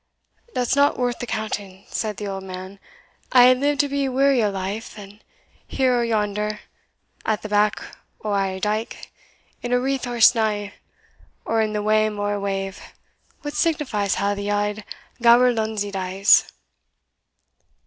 "That's not worth the counting," said the old man. "I hae lived to be weary o' life; and here or yonder at the back o' a dyke, in a wreath o' snaw, or in the wame o' a wave, what signifies how the auld gaberlunzie dies?"